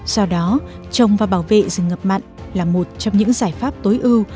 do đó trồng và bảo vệ rừng ngập mặn là một trong những giải pháp tối ưu